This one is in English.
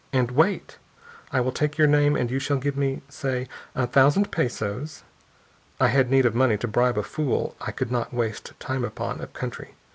And wait! I will take your name, and you shall give me say a thousand pesos. I had need of money to bribe a fool I could not waste time on, up country.